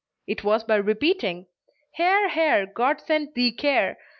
It was by repeating: "Hare, hare, God send thee care!